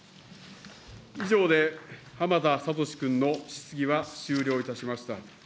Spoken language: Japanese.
以上で浜田聡君の質疑は終了いたしました。